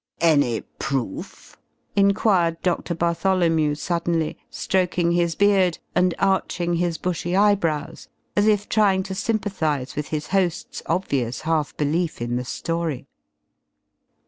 "Any proof?" inquired Doctor Bartholomew suddenly, stroking his beard, and arching his bushy eyebrows, as if trying to sympathize with his host's obvious half belief in the story.